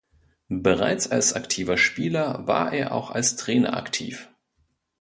Bereits als aktiver Spieler war er auch als Trainer aktiv.